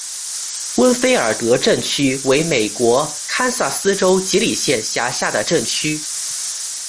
温菲尔德镇区为美国堪萨斯州吉里县辖下的镇区。